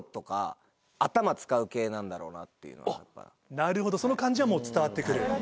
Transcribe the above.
なるほどその感じは伝わって来る？